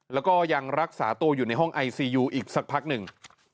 แล้วก็ยังรักษาตัวอยู่ในห้องไอซียูอีกสักพักหนึ่ง